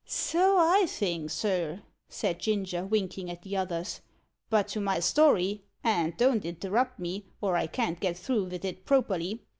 "So I think, sir," said Ginger, winking at the others; "but to my story, and don't interrupt me, or I can't get through vith it properly.